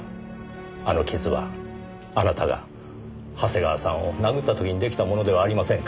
あの傷はあなたが長谷川さんを殴った時に出来たものではありませんか？